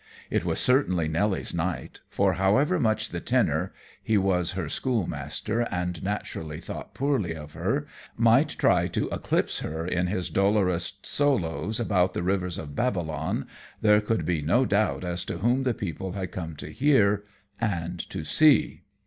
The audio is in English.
It was certainly Nelly's night, for however much the tenor he was her schoolmaster, and naturally thought poorly of her might try to eclipse her in his dolorous solos about the rivers of Babylon, there could be no doubt as to whom the people had come to hear and to see.